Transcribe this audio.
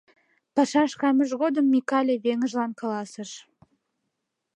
Пашаш каймыж годым Микале веҥыжлан каласыш.